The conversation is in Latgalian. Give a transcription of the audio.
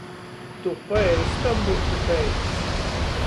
Tu pa eistam byutu beigts!